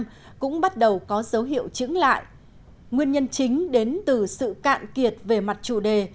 việt nam cũng bắt đầu có dấu hiệu chứng lại nguyên nhân chính đến từ sự cạn kiệt về mặt chủ đề